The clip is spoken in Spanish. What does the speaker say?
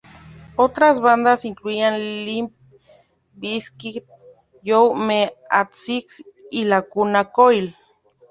Otras bandas incluían Limp Bizkit, You Me at Six, y Lacuna Coil.